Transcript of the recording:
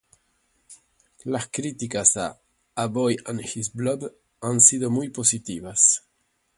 Las críticas a "A Boy and His Blob" han sido muy positivas.